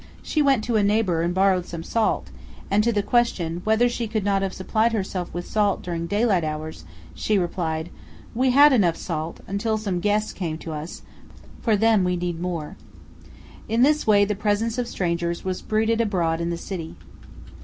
She went to a neighbor and borrowed some salt, and to the question, whether she could not have supplied herself with salt during daylight hours, she replied, "We had enough salt, until some guests came to us; for them we needed more." In this way the presence of strangers was bruited abroad in the city.